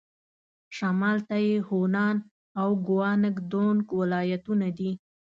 شمال ته یې هونان او ګوانګ دونګ ولايتونه دي.